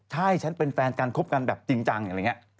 ใช่ฉันเป็นแฟนกันคบกันแบบจริงจังอะไรอย่างนี้